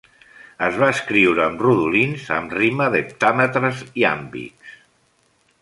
Es va escriure amb rodolins amb rima de heptàmetres iàmbics.